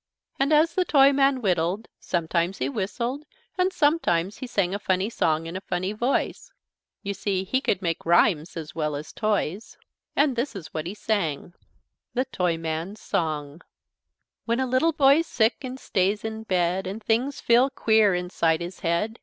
And as the Toyman whittled sometimes he whistled, and sometimes he sang a funny song in a funny voice. You see he could make rhymes as well as toys. And this is what he sang: THE TOYMAN'S SONG 1 "When a little boy's sick And stays in bed, And things feel queer Inside his head.